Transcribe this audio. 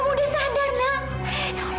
kamu sudah sadar nak